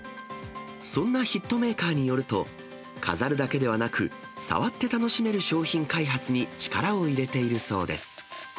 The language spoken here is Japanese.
そんなヒットメーカーによると、飾るだけではなく、触って楽しめる商品開発に力を入れているそうです。